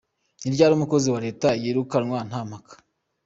Ni ryari umukozi wa leta yirukanwa “nta mpaka”?.